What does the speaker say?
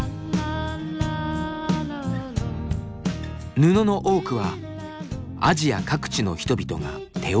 布の多くはアジア各地の人々が手織りしたもの。